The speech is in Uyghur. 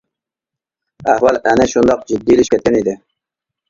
ئەھۋال ئەنە شۇنداق جىددىيلىشىپ كەتكەن ئىدى.